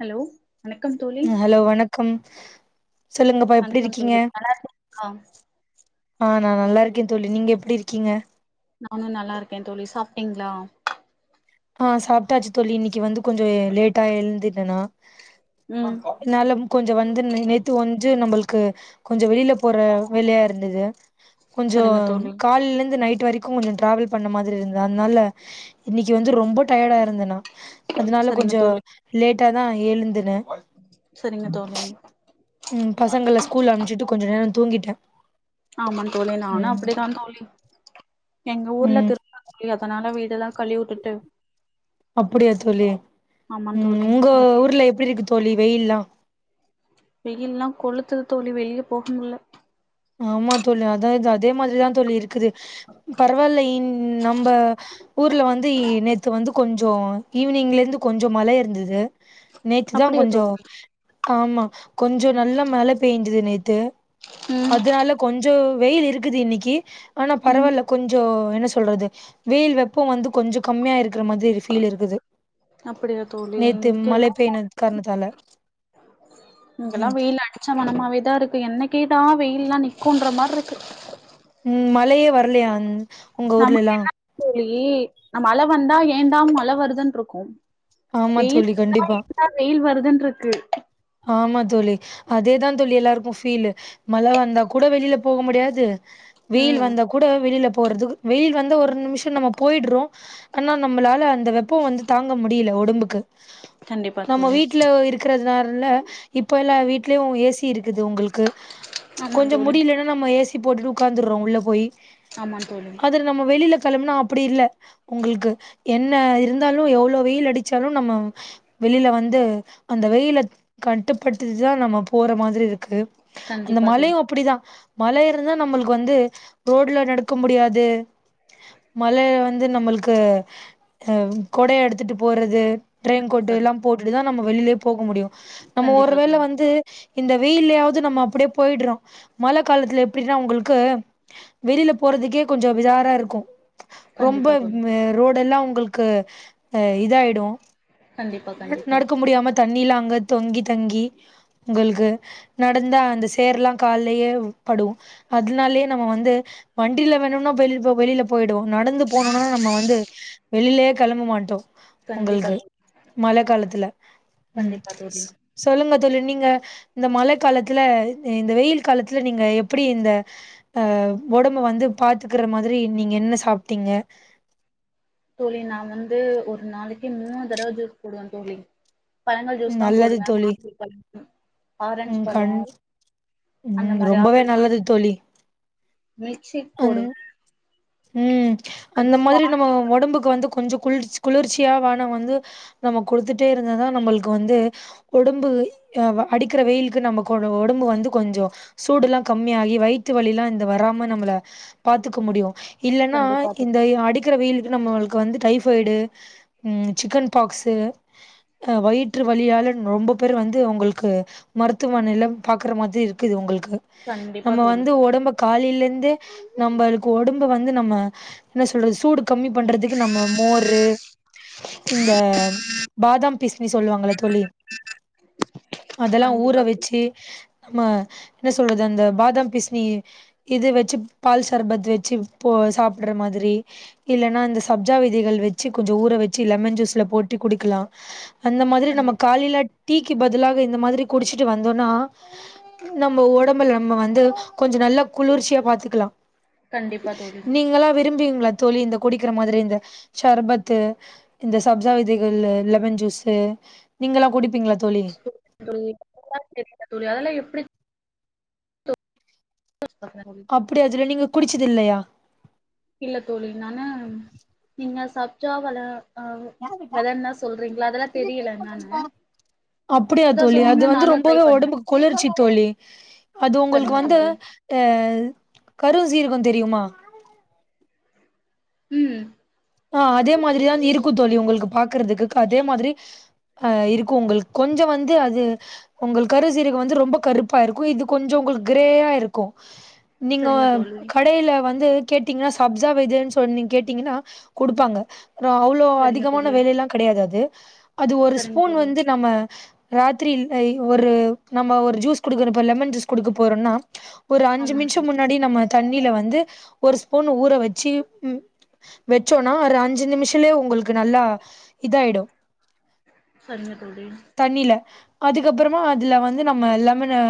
Hello வணக்கம் தோழி ம் ஹலோ வணக்கம் சொல்லுங்கப்பா எப்டி வணக்கம் இருக்கீங்க தோழி நல்லா இருக்கிங்களா ஆஹ் நான் நல்லா இருக்கேன் தோழி நீங்க எப்டி இருக்கீங்க நானும் நல்லா இருக்கேன் தோழி சாப்பிட்டீங்களா ஆஹ் சாப்பிட்டாச்சு தோழி இன்னைக்கு வந்து கொஞ்சம் லேட்டா எழுந்துட்டன்னா ம் என்னால கொஞ்சம் வந்து நேத்து வஞ்சு நம்மளுக்கு கொஞ்சம் வெளியில போற வேலயா இருந்தது சரிங்க கொஞ்சம் தோழி கால்ல இருந்து நைட் நைட்டு வரைக்கும் கொஞ்சம் டிராவல் பண்ண மாரி இருந்த அதனால இன்னைக் இங்க வந்து ரொம்ப டயர்டா இருந்தனா அதனால சரிங்க கொஞ்சம் தோழி லேட் ட்ட தான் எழுந்து [unintelligible] சரிங்க தோழி உம் பசங்கள ஸ்கூல் அம்சிட்டு கொஞ்சம் நேரம் தூங்கிட்டே ஆமான் தோழி நானும் ம் அப்படிதான் தோழி எங்க ஊர்ல ம் திருவிழா அதனால வீட் [unintelligible] அப்படியா தோழி ஆமா உம் தோழி உங்க ஊர்ல எப்டி இருக்கு தோழி வெயில்லாம் வெயில்லாம் கொளுத்துது தோழி வெளியே போக முடில ஆமா தொழி அதான்து அதே மாதிரிதான் தொழி இருக்குது பரவாயில்லை நம்ம ஊர்ல வந்து நேத்து வந்து கொஞ்சம் ஈவ்னிங்ல இருந்து கொஞ்சம் மழை இருந்தது நேத்து தான் அப்டியா கொஞ்சம் தோழி ஆமா கொஞ்சம் நல்லா மழை பெய்ஞ்சது நேத்து ம் அதனால கொஞ்சம் கொஞ்சம் வெயில் இருக்குது இன்னைக்கு ஆனா ம் பரவாயில்ல கொஞ்சம் என்ன சொல்றது வெயில் வெப்பம் வந்து கொஞ்சம் கம்மியா இருக்குற மாதிரி ஒரு ஃபீல் இருக்குது அப்டியா தோழி நேத்து மழை பெய்ன காரணத்தால ம் இங்கல்லாம் வெயில அடிச்ச மனமாவேதான் இருக்கு என்னைக் கிதான் வெயில்ல்லாம் நிக்கொன்ர மாதிரி இருக்கு உம் மழயே வரலையா அந் உங்க ஊர்ல எல்லாம் ப்ளி அம்மழ வந்தா ஏண்டா மழ வருதுன்ட்ருக்கும் ஆமா வெயில் தோழி வந்தா கண்டிப்பா ஏண்டா வெயில் வருது இதுன்ருக்கு ஆமா தோலி அதேதான் தோலி எல்லாருக்கும் ஃபீல் மழ வந்தா கூட வெளியில போக முடியாது வெயில் ம் வந்தா கூட வெளில போறது வெயில் வந்து ஒரு நிமிஷம் நம்ம போய்டுறோம் ஆனா நம்மளால அந்த அந்த வெப்பம் வந்து தாங்க முடில ஒரு டம்புக்கு கண்டிப்பா நம்ம தோழி வீட்ல இருக்குறது [unintelligible] இல்ல இப்ப எல்லாம் வீட்லயும் ஏசி ஏசி இருக்குது உங்களுக்கு ஆமா கொஞ்சோம் தோழி முடிலன்னா நம்ம ஏசி போட்டுட்டு உக்காந்துரோம் உள்ள போய் ஆமா தோழி அத நம்ம வெளில கிளம்புனா அப்டி இல்ல உங்களுக்கு என்ன இருந்தாலும் எவ்ளோ வெயில் அடிச்சாலும் நம்ம வெளில வந்து அந்த வெயில கட்டுப்பட்டுட்து தான் நம்ம போற மாரி இருக்கு அந்த கண்டிப்பா தோழி மலயும் அப்டிதான் மழ இருந்தால் நம்மளுக்கு வந்து ரோடுல நடக்க முடியாது மழ வந்து நம்மளுக்கு கொடயை எடுத்துட்டு போறது ரெயின் கோட் எல்லாம் போட்டுதான் நம்ம வெளியிலே போக முடியும் நம்ம கண்டிப்பா ஒருவேள தோழி வந்து இந்த வெயிலயாவது நம்ம அப்டியே போயிறோம் மழ காலத்துல எப்டின்னா உங்களுக்கு வெளியில போறதுக்கே கொஞ்சோம் விதாரா இருக்கும் ரொம்ப கண்டிப்பா தோழி ரோடு எல்லாம் உங்களுக்கு ஆ இதாயிடும் கண்டிப்பா தோழி கண்டிப்பா கண்டிப்பா நடக்க முடியாம தண்ணிலாம் தொங்கி தங்கி உங்களுக்கு நடந்த அந்த சேர்லாம் காலயே படும் அதனாலயே நம்ம வந்து வண்டியில வேணும்னா வெள வெளியில போயிடுவோம் நடந்து போனும்னா நம்ம வந்து வெளியிலே கெலமமாட்டோம் கண்டிப்பா உங்களுக்கு தோழி மழ காலத்துல ம் கண்டிப்பா தோழி சொல்லுங்க தோலி நீங்க இந்த மழ காலத்துல இந்த வெயில் காலத்துல நீங்க எப்டி இந்த அ ஒடம்ப வந்து பாத்துக்கிற மாரி நீங்க என்ன சாப்ட்டீங்க தோழி நான வந்து ஒரு நாளைக்கு மூணு தடவ ஜூஸ் போடுவேன் தோலி பழங்கள் ஜூஸ் தான் நல்லது போடுவேன் தோழி ஆப்பிள் பழோம் ஆரஞ்சு ம் கண் பழோம் ம் ரொம்பவே நல்லது தோலி மில்க் ஷேக் அ போடுவே ம் அது அந்த மாரி வாழ நம்ப உடம்புக்கு வந்து கு கொஞ்சம் குளிர் குளிர்ச்சியா வான வந்து நம்ம குடுத்துட்டே இருந்ததா நம்பளுக்கு வந்து உடம்பு அ அடிக்கிற வெயிலுக்கு நம்ப உடம்பு வந்து கொஞ்சம் சூடு எல்லா கம்மியாகி வயித்து வலி எல்லா இந்த வராம நம்பள பாத்துக்க முடியும் இல்லன்னா கண்டிப்பா தோழி இந்த அடிக்கிற வெயில் நம்பளுக்கு வந்து டைப்ட சிக்கன் பாக்சு வயிற்று வழியால ரொம்ப பேர் வந்து உங்களுக்கு மருத்துவ மனல பாக்குற மாரி இருக்குது உங்களுக்கு கண்டிப்பா நம்ம தோழி வந்து உடம்பு காலயில இருந்தே நம்பர் கோடும் இப்ப வந்து நம்ம என்ன சொல்றது சூடு கம்மி பண்றதுகு நம்ம மோரு இந்தா பாதம் பிசி சி சொல்லுவாங்கள தோழி அதெல்லா ஊற கண்டிப்பா தோழி வச்சி நம்ம என்ன சொல்றது அந்த பாதாம் பீசினி இது வச்சு பால் சர்பத் வச்சு போ சாப்படுற மாரி இல்லன்னா இந்த சப்ஜா விதைகள் வச்சு கொஞ்ச ஊற வச்சு லெமன் ஜூஸ்ல போட்டு குடிக்கலாம் அந்த மாரி நம்ம கண்டிப்பா தோழி காலில டீ இதிலாக இந்த மாரி குடிச்சிட்டு வந்தோனா நம்ப உடம்புல நம்ப வந்து கொஞ்சம் நல்லா குளிர்ச்சியா பாத்துக்கலாம் கண்டிப்பா தோழி இல்ல தோழி இந்த குடிக்கிற மாதிரி இந்த சர்பத்து இந்த சப்ஜா விதைகளு லெமன் ஜூஸ் நீங்காள குடிப்பீங்களா தோழி தோழி அதெல்லாம் எப்படி சாப்பிடுறது தோழி? அப்படி அஜில நீங்க குடிச் குடிச்சதுல்லையா இல்ல தோழி நானு நீங்க சப்ச்சவல [unintelligible] தெரியல என்னானு அப்புடியா இதா தோழி அது சொன்னீங்கன்னா வந்து நானு ட்ரை ரொம்பவே பண்ணுவே உடம்புக்கு குளிர்ச்சி தோழி அது உங்களுக்கு சரிங்க வந்து தோழி அஹ கரு சீரகம் தெரியுமா உம் ஆஹ அதே மாதிரிதா இருக்கும் தோழி உங்களுக்கு பாக்குறதுக்கு அதே மாதிரி ஆஹ இருக்கு உங்களுக்கு கொஞ்ச வந்து அது உங்கள் கருசீரக வந்து ரொம்ப கருப்பா இருக்கு இது கொஞ்ச உங்களுக்கு கிரேயா இருக்கு நீங்க ஒ சரிங்க தோழி கடையில வந்து கேட்டீங்கினா சப்ஜா விதன்னு சொன்னீ கேட்டீங்கினா குடுப்பாங்க ஹ த அவ்ளோ சரிங்க அதிகமான தோழி வேலயில்லாம் கிடையாது அது அது ஒரு சரிங்க ஸ்பூன் தோழி வந்து நம்ம ஹ ராத்திரிலை ஒரு நம்ம ஒரு ஜூஸ் குடுக்கணு இப்ப லெமன் ஜூஸ் குடுக்க போறோம்னா ஒரு அஞ்சு ஆமாங்க நிமிஷ தோழி முன்னாடி நம்ம தண்ணியில வந்து ஒரு ஸ்பூன் ஊற வச்சு உம் ச்சோனா ஒரு அஞ்சு நிமிஷலயே உங்களுக்கு நல்லா இதாயிடும் சரிங்க தோழி தண்ணில அதுக்கப்புறமா அதுல வந்து நம்ம லெமனை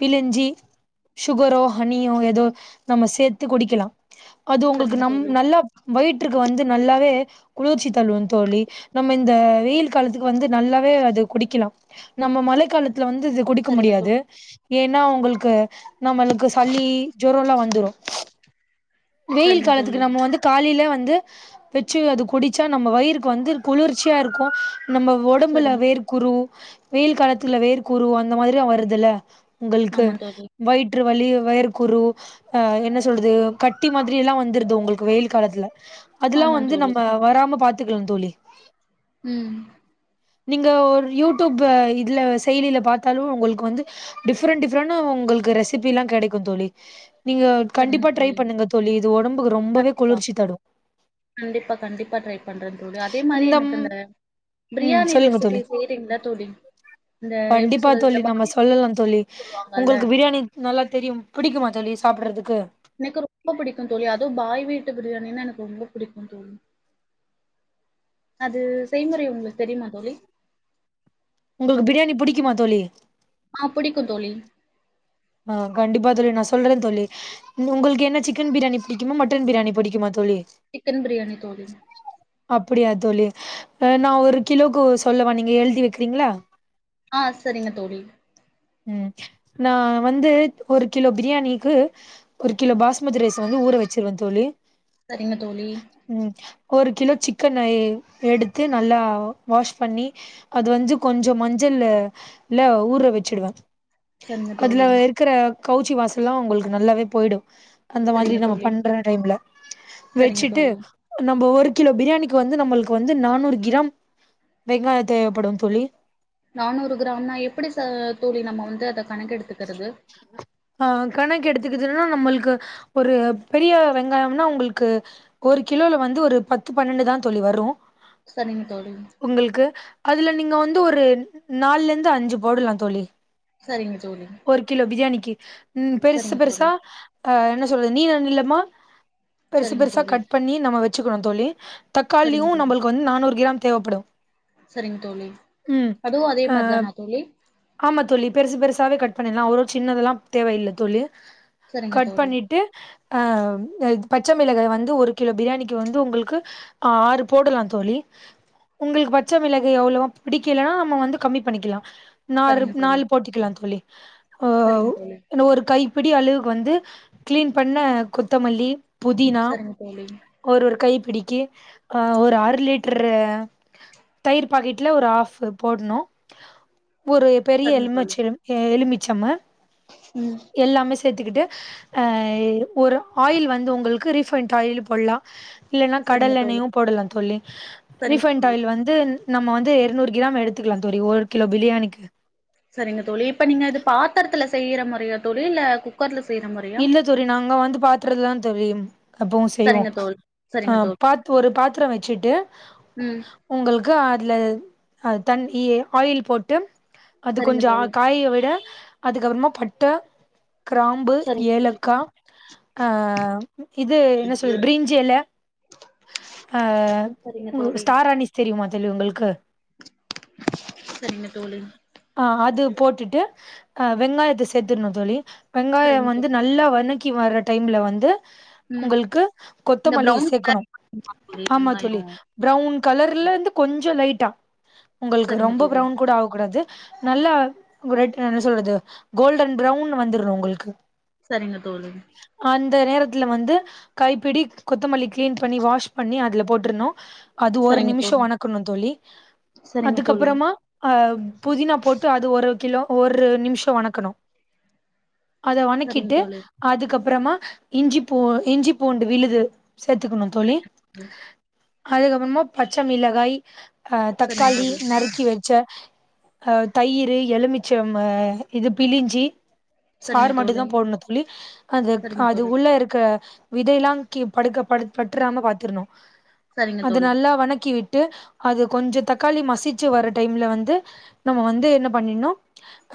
பிழிஞ்சி சுகரோ ஹனியோ ஏதோ நம்ம சேர்த்து குடிக்கலாம் அது உங்களுக்கு சரிங்க நம் தோழி நல்லா வயிட் வந்து நல்லாவே குளிர்ச்சி தள்ளும் தோழி நம் இந்த வெயில் காலத்துக்கு வந்து நல்லாவே அது குடிக்கலாம் நம்ம மழைக்கலத்து இதுல வந்து இது குடிக்க சரிங்க முடியாது தோழி ஏன்னா உங்களுக்கு நம்மளுக்கு சலி ஜொரம் எல்லாம் வந்துரும் வெயில் சரிங்க காலத்துக்கு தோழி நம்ம வந்து காலையில வந்து வந்து பெச்சு அது குடிச்சா நம்ம வயிறுக்கு வந்து குளிர்ச்சியா இருக்கும் நம்ம உடம்புல சரிங்க தோழி வேர்க்குரு வெயில் காலத்துல வேர்குறு அந்த மாரில்லாம் வருதுல்ல உங்களுக்கு ஆமா தோழி வயிற்று வலி வேர்க்குரு என்ன சொல்லுது கட்டி மாதிரிய எல்லாம் வந்துருது உங்களுக்கு வெயில் காலத்துல அதெல்லாம் ஆமா வந்து தோழி நம்ம வராம பாத்து பாத்துக்கலாம் தோழி உம் நீங்க ஒரு யூடியூப் இதுல செயலியில பாத்தாலும் உங்களுக்கு வந்து டிஃப்ரெண்டட் டிஃப்ரெண்ட் உங்களுக்கு ரெசிபி எல்லாம் கிடைக்கும் தோழி நீங்க சரிங்க கண்டிப்பா ட்ரை தோழி பண்ணுங்க தோழி இது ஒடம்புக்கு ரொம்பவே கண்டிப்பா குளிர்ச்சி தரும் கண்டிப்பா கண்டிப்பா ட்ரை பண்றேன் தோழி அதே மாரி இந்த எனக்கு உம் பிரியாணி சொல்லுங்க ரெசிபி தோழி செய்றீங்களா தோழி இந்த எப்டி கண்டிப்பா சொல்றது இந்த தோழி நம்ம பாய் வீடுன்னு சொல்லலாம் தோழி சொல்லுவாங்கல்ல உங்களுக்கு பிரியாணி நல்லா தெரியும் பிடிக்குமா தோழி சாப்பிடுறதுக்கு எனக்கு ரொம்ப புடிக்கும் தோழி அது பாய் வீட்டு பிரியாணின்னு எனக்கு ரொம்ப பிடிக்கும் தோழி அது செய்முறை உங்களுக்கு தெரியுமா தோழி உங்களுக்கு பிரியாணி புடிக்குமா தோழி ஆஹ் புடிக்கும் தோழி ஆஹ் கண்டிப்பா தோழி நான் சொல்றேன் தோழி உங்களுக்கு என்ன சிக்கன் பிரியாணி புடிக்குமா மட்டன் பிரியாணி புடிக்குமா தோழி சிக்கன் பிரியாணி தோழி அப்படியா தோழி நான் ஒரு கிலோக்கு சொல்லவ நீங்க எழுதி வைக்கிறீங்களா ஆஹ் செரிங்க தோழி ம் நான் வந்து ஒரு கிலோ பிரியாணிக்கு ஒரு கிலோ பாஸ்மதி ரைஸ் வந்து ஊற வச்சுருவேன் தோழி செரிங்க தோழி ம் ஒரு கிலோ சிக்கன எடுத்து நல்லா வாஷ் பண்ணி அது வந்து கொஞ்சோ மஞ்சள்ல ஊற வச்சுடுவேன் சரிங்க [unintelligible] அதுல தோழி இருக்குற கவுச்சி வாசல்லாம் உங்களுக்கு நல்லாவே போயிடும் அந்த மாதிரி சரிங்க நம்ம தோழி பண்ற டைம்ல சரிங்க வச்சுட்டு தோழி நம்ம வந் கிலோ பிரியாணிக்கு வந்து நம்மளுக்கு வந்து நானூறு கிராம் வெங்காயம் தேவைப்படும் தோழி நானூறு கிராம்னா எப்படி ச தோழி நம்ம வந்து அத கணக்க எடுத்துக் ஆஹ் கணக்கு எடுத் துன்னா நம்மளுக்கு ஒரு பெரிய வெங்காயம்னா உங்களுக்கு ஒரு கிலோல வந்து ஒரு பத்து பன்னெண்டுதான் தோழி வரும் செரிங்க தோழி அதுல நீங்க வந்து ஒரு நாலுல இருந்து அஞ்சு போடலாம் தோழி செரிங்க ஒரு கிலோ பிரியாணிக்கு [inaudible] உம் பெருசு சரிங்க தோழி பெருசா ஆஹ் என்ன சொல்லு நீல நீலமா பெருசு சரிங்க பெருசா தோழி கட் பண்ணி நம்ம வச்சுக்கோணும் தோழி சரிங்க தக்காளியும் தோழி நம்மளுக்கு வந்து நானூறு கிராம் தேவைப்படும் சரிங்க தோழி உம் அதுவு அதே அஹ் மாரிதானா தோழி ஆமா தோழி பெருசு பெருசாவே கட் பண்ணிடலாம் அவ்ளோ சின்னதல்லாம் தேவையில்ல தோழி சரிங்க கட் தோழி பண்ணிட்டு அ ம் பச்சை மிளகா வந்து ஒரு கிலோ பிரியாணிக்கு வந்து உங்களுக்கு ஆறு போடலா தோழி உங்களுக்கு பச்சை மிளகாய் அவ்வளவா பிடிக்கலனா நம்ம வந்து கம்மி பண்ணிக்கலா நாலு சரிங்க தோழி நாலு போட்டிக்கலா தோழி ஓ சரிங்க ஓ தோழி என்ன ஒரு கைப்பிடி அளவுக்கு வந்து க்ளீன் பண்ண கொத்தமல்லி புதினா சரிங்க தோழி ஒரு ஒரு கை பிடி கி அ ஒரு அர லிட்டர் தயிர் பாக்கெட்ல ஒரு ஆஃப் போடணு ஒரு பெரிய எலுமிச்சம் எலுமிச்சமு உம் சேத்துக்கிட்டு அ ஒரு ஆயில் வந்து உங்களுக்கு ரீஃபைண்ட் ஆயில் போடலா இல்லனா சரிங்க கடல் தோழி எண்ணெயு போடலா தோழி சரிங்க ரீஃபைண்ட் தோழி ஆயில் வந்து நம்ம வந்து இருநூறு கிராம் எடுத்துக்கலா தோழி ஒரு கிலோ பிரியாணிக்கு செரிங்க தோழி இப்ப நீங்க இது பாத்திரத்துல செய்யற மொறைய தோழி இல்ல குக்கர்ல செய்யற முறையா இல்ல தோழி நாங்க வந்து பாத்துரதுல தா தோழி ம் எப்பவு செய்வோ சரிங்க தோழி ஆ சரிங்க தோழி பாத் ஒரு பாத்திரம் வச்சுட்டு ம் உங்கள் கா அதுல தண் எ ஆயில் போட்டு அது சரிங்க கொஞ்ச தோழி காய விட அதுக்கு அப்புறமா பட்ட க்ராம் சரிங்க ஏலக்கா ஆ இது என்ன சொல்றது பிரீஞ்சியெல அ சரிங்க உங்க தோழி ஸ்டார் அணிஸ் தெரியுமா தோழி உங்களுக்கு சரிங்க தோழி ஆ அது போட்டுட்டு அ வெங்காயத்த சேத்துர்ணு தோழி வெங்காய சரிங்க வந்து தோழி நல்லா வனக் க்கி வர்ற டைம்ல வந்து ம் உங்களுக்கு இந்த கொத்தமல்லி ப்ரௌன் சேக்கணு கலர் தோழி ஆமா தோழி வெங்காயோ ப்ரவுன் கலர்லெந்து சரிங்க கொஞ்ச லைட் ட்ட உங்களுக்கு ரொம்ப தோழி ப்ரவுன் கூட ஆவ கூடாது நல்லா ரெட் என்ன சொல்றது கோல்டன் ப்ரவுன் வந்துரு உங்களுக்கு சரிங்க தோழி த நேரத்துல வந்து கைப்பிடி கொத்தமல்லிக் கிளீன் பண்ணி வாஷ் பண்ணி அதுல போ போட்றுணும் அது ஒரு சரிங்க நிமிஷம் தோழி வணக்கணும்னு தோழி சரிங்க தோழி அதுக்கப்பறமா அஹ் தீனா போட்டு அது ஒரு கிலோ ஒரு நிமிஷம் வணக்கணும் அத சரிங்க வணக்கிட்டு தோழி அதுக்கப்பற அப்பறமா இஞ்சி பூ இஞ்சி பூண்டு விழுது சேத்துக்கணும் தோழி உஹம் [inaudible] அதுக்கப்பறமா பச்ச மிளகாய் அஹ் தக்காளி நறுக்கி வச்ச அஹ் தயிர் எலுமிச்ச இது பிலிஞ்சி சாறு சரிங்க மட்டும் தோழி தான் போடணும் தொல்லி அது சரிங்க அது தோழி உள்ள இருக்க விதயெலா கி படுக்க ப பட்டுராம பாத்திருணோ சரிங்க அது தோழி நல்லா வணக்கி விட் விட்டு அது கொஞ்சம் தக்காளி மசிச்சு வர டைம்ல வந்து நம்ம வந்து என்ன பண்ணினோ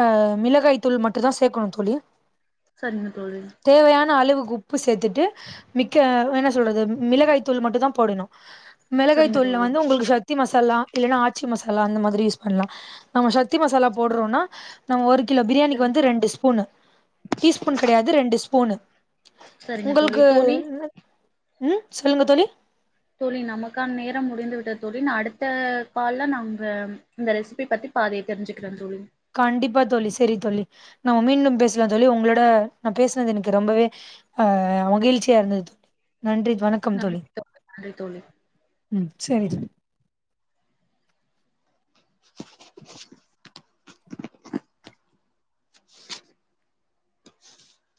அஹ் மிளகாய் தூள் மட்டும் தான் சேர்க்கணோ தூளி சரிங்க தோழி உப்பு சேர்த்துட்டு மிக்க என்ன சொல்றது மிளகாய் தூள் மட்டும் தான் போடணொ மிளகாய் சரிங்க தோழி சரிங்க தூள தோழி வந்து உங்களுக்கு சக்தி மசாலா இல்லன்னா ஆச்சி மசாலா அந்த மாதிரி யூஸ் பண்ணலாம் நம்ம சக்தி மசாலா போடுறோம்னா நம்ம ஒரு கிலோ பிரியாணிக்கு சரிங்க வந்து ரெண்டு ஸ்பூன் டீஸ்பூன் கெடயாது ரெண்டு ஸ்பூன் சரிங்க தோழி உங்களுக்கு தோழி உம் சொல்லுங்க தோழி தோழி நமக்கான நேரம் முடிந்து விட்ட தோழி அடுத்த கால்ல நாங்க இந்த ரெசிபி பத்தி பாதி தெரிஞ்சுக் கண்டிப்பா தோழி செரி தோழி நான் மீண்டும் பேசலாம் தோழி உங்களோட நான் பேசினது எனக்கு ரொம்பவே அஹ் மகிழ்ச்சியா இருந்தது தோ நன்றி வணக்கம் நன்றி தோழி நன்றி தோழி ம் செரி [inaudible]